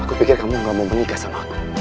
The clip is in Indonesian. aku pikir kamu gak mau menikah sama aku